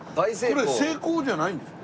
これ成功じゃないんですか？